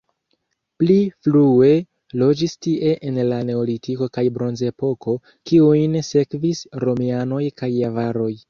Pli frue loĝis tie en la neolitiko kaj bronzepoko, kiujn sekvis romianoj kaj avaroj.